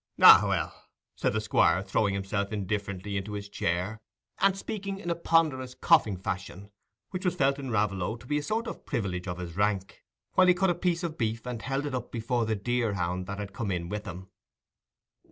"Ah! well," said the Squire, throwing himself indifferently into his chair, and speaking in a ponderous coughing fashion, which was felt in Raveloe to be a sort of privilege of his rank, while he cut a piece of beef, and held it up before the deer hound that had come in with him.